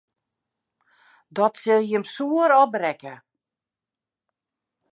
Dat sil jim soer opbrekke.